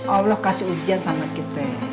allah kasih ujian sama kita